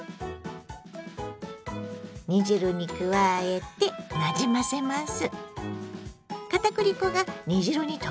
煮汁に加えてなじませます。